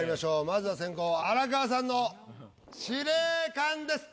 まずは先攻荒川さんの司令官です。